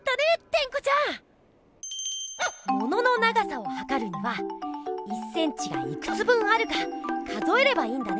テンコちゃん！ものの長さをはかるには１ｃｍがいくつ分あるか数えればいいんだね！